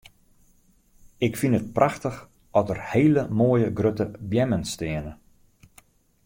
Ik fyn it prachtich at der hele moaie grutte beammen steane.